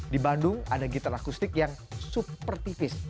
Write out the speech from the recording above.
di bandung ada gitar akustik yang super tipis